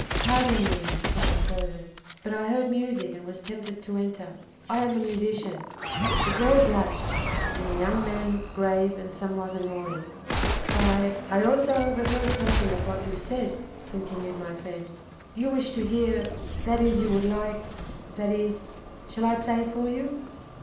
"Pardon me," said Beethoven, "but I heard music and was tempted to enter. I am a musician." The girl blushed, and the young man looked grave and somewhat annoyed. "I I also overheard something of what you said," continued my friend. "You wish to hear that is, you would like that is shall I play for you?"